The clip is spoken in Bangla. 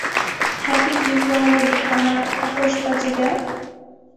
হ্যাঁপি দিওয়ালি আমার আতসবাজিরা।